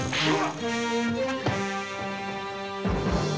はい。